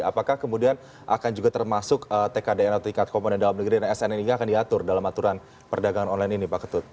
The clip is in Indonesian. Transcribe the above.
apakah kemudian akan juga termasuk tkdn atau tingkat komponen dalam negeri dan snn ini akan diatur dalam aturan perdagangan online ini pak ketut